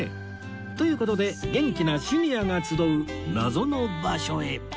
という事で元気なシニアが集う謎の場所へ